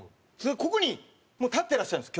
ここに立ってらっしゃるんです巨人師匠が。